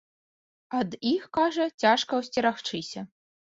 Ад іх, кажа, цяжка ўсцерагчыся.